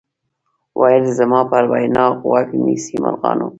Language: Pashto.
ویل زما پر وینا غوږ نیسۍ مرغانو